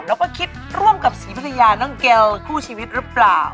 แล้วก็คิดร่วมกับศรีพัทยาน้องเกลคู่ชีวิตหรือเปล่า